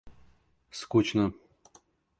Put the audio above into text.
скучно